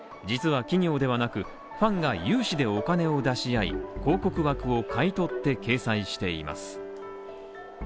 実は企業ではなく、ファンが有志でお金を出し合い、広告枠を買い取って掲載しています。